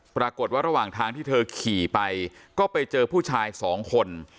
ปรากฏว่าระหว่างทางที่เธอขี่ไปก็ไปเจอผู้ชาย๒คน